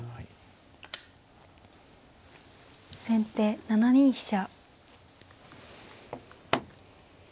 先手７二飛車。